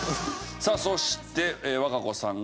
さあそして和歌子さんが。